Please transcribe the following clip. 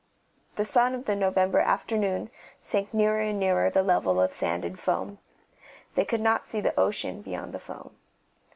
The sun of the November afternoon sank nearer and nearer the level of sand and foam; they could not see the ocean beyond the foam.